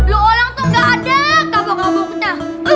lu orang tuh gak ada kabar kabarnya